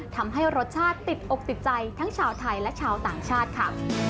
ทำให้รสชาติติดอกติดใจทั้งชาวไทยและชาวต่างชาติค่ะ